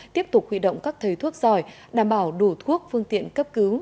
tiếp tục huy động các thời thuốc dòi đảm bảo đủ thuốc phương tiện cấp cứu